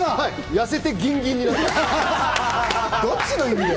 痩せてギンギンになってます。